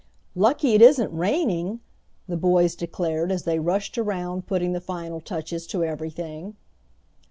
"Lucky it isn't raining," the boys declared as they rushed around putting the final touches to everything.